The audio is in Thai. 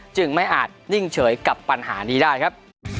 ไม่อาจนิ่งเฉยกับปัญหานี้ได้ครับ